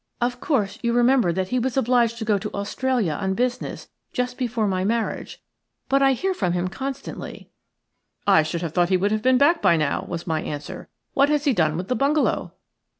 Of course, you remember that he was obliged to go to Australia on business just before my marriage, but I hear from him constantly." "I should have thought he would have been back by now," was my answer. "What has he done with the bungalow?"